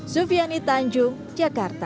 sufiani tanjung jakarta